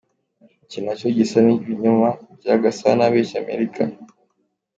Iki nacyo gisa nk’ibinyoma bya Gasana abeshya Amerika.